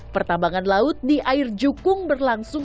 pertambangan laut di air jukung berlangsung